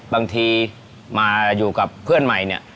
บางทีมาอยู่กับเพื่อนใหม่เนี่ย